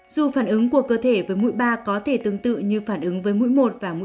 dù phản ứng của cơ thể với mũi ba có thể tương tự như phản ứng với mũi một và mũi